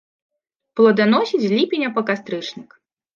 Плоданасіць з ліпеня па кастрычнік.